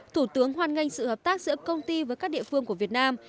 thủ tướng hoan nghênh sự hợp tác giữa công ty với các địa phương của việt nam